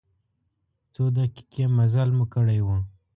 څو دقیقې مزل مو کړی و.